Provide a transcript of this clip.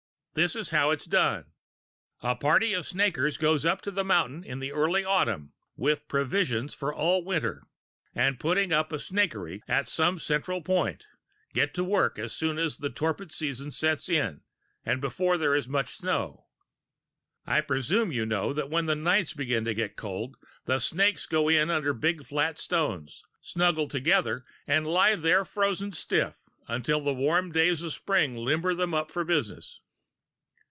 This is how it is done: a party of snakers go up to the mountains in the early autumn, with provisions for all winter, and putting up a snakery at some central point, get to work as soon as the torpid season sets in, and before there is much snow. I presume you know that when the nights begin to get cold, the snakes go in under big flat stones, snuggle together, and lie there frozen stiff until the warm days of spring limber them up for business.